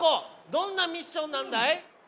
どんなミッションなんだい？